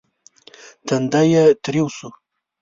تندی يې تريو شو.